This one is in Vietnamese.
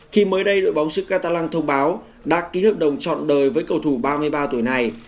khi mới đây đội bóng sức catalan thông báo đạt ký hợp đồng trọn đời với cầu thủ ba mươi ba tuổi này